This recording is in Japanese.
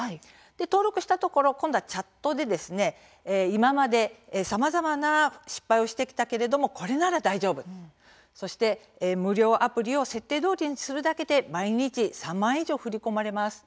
登録したところ今度はチャットで「今まで、さまざまな失敗をしてきたけれどもこれなら大丈夫」そして「無料アプリを設定どおりにするだけで毎日３万円以上振り込まれます」